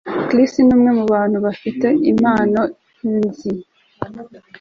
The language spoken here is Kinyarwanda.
Chris numwe mubantu bafite impano nzi